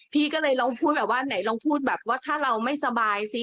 พี่ก็เลยลองพูดแบบว่าไหนว่าถ้าเราไม่สบายซิ